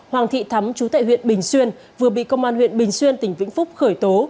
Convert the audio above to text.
hoàng thị thắm chú tại huyện bình xuyên vừa bị công an huyện bình xuyên tỉnh vĩnh phúc khởi tố